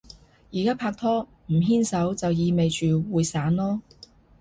而家拍拖，唔牽手就意味住會散囉